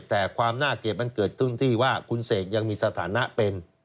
แต่ความน่าเกลียดมันเกิดขึ้นที่ว่าคุณเสกยังมีสถานะเป็น